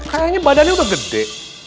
kayaknya badannya udah gede